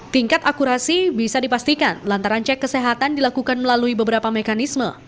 tingkat akurasi bisa dipastikan lantaran cek kesehatan dilakukan melalui beberapa mekanisme